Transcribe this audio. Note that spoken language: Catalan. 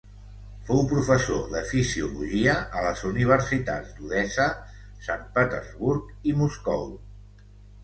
Fou professor de fisiologia a les universitats d'Odessa, Sant Petersburg i Moscou.